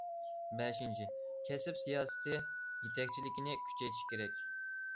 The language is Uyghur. بەشىنچى، كەسىپ سىياسىتى يېتەكچىلىكىنى كۈچەيتىش كېرەك.